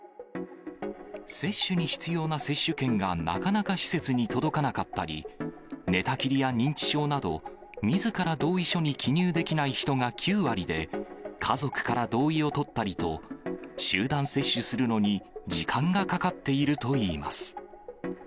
接種に必要な接種券がなかなか施設に届かなかったり、寝たきりや認知症など、みずから同意書に記入できない人が９割で、家族から同意を取ったりと、集団接種するのに時間がかかっているといいます。